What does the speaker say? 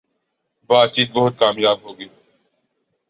باتچیت بہت کامیاب ہو گی